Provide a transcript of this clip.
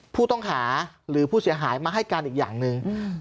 ผู้ต้องหาหรือผู้เสียหายมาให้การอีกอย่างหนึ่ง